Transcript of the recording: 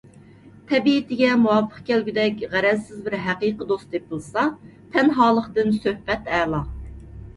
تەبىئىتىگە مۇۋاپىق كەلگۈدەك غەرەزسىز بىر ھەقىقىي دوست تېپىلسا، تەنھالىقتىن سۆھبەت ئەلا.